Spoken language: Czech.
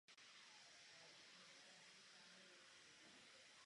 V Pittsburghu však strávil pouze jednu sezónu.